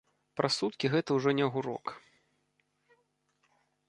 Праз суткі гэта ўжо не агурок.